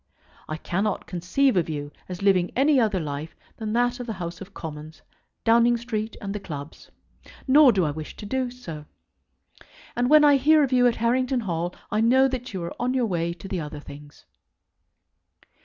I cannot conceive of you as living any other life than that of the House of Commons, Downing Street, and the clubs. Nor do I wish to do so. And when I hear of you at Harrington Hall I know that you are on your way to the other things.